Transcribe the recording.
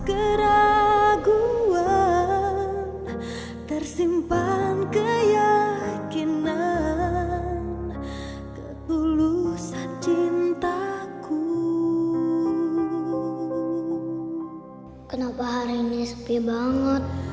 kenapa hari ini sepi banget